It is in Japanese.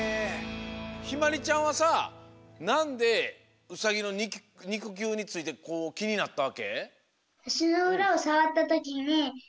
ひまりちゃんはさなんでウサギのにくきゅうについてきになったわけ？